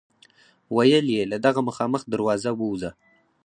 ویل یې له دغه مخامخ دروازه ووځه.